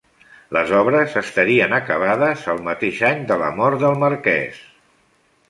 Les obres estarien acabades el mateix any de la mort del marquès.